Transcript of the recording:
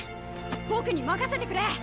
僕に任せてくれ！